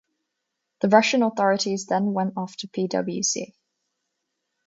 The Russian authorities then went after PwC.